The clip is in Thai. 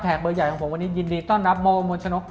เบอร์ใหญ่ของผมวันนี้ยินดีต้อนรับโมมวลชนก